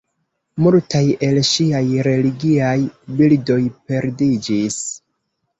Multaj el ŝiaj religiaj bildoj perdiĝis.